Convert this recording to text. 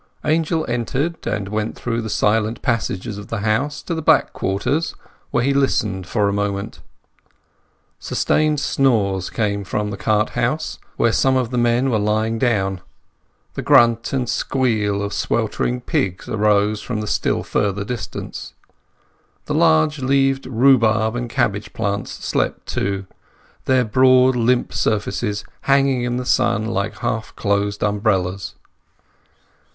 Angel entered, and went through the silent passages of the house to the back quarters, where he listened for a moment. Sustained snores came from the cart house, where some of the men were lying down; the grunt and squeal of sweltering pigs arose from the still further distance. The large leaved rhubarb and cabbage plants slept too, their broad limp surfaces hanging in the sun like half closed umbrellas.